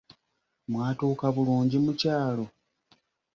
Mwatuuka bulungi mukyalo?